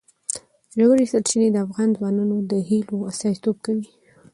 ژورې سرچینې د افغان ځوانانو د هیلو استازیتوب کوي.